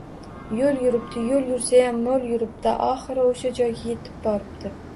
Yoʻl yuribdi, yoʻl yursayam moʻl yuribdi, oxiri oʻsha joyga yetib boribdi